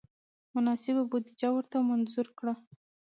مناسبه بودجه ورته منظور کړه.